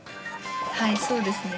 はいそうですね。